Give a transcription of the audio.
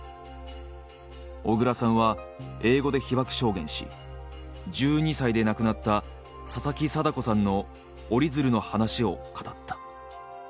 小倉さんは英語で被爆証言し１２歳で亡くなった佐々木禎子さんの折り鶴の話を語った。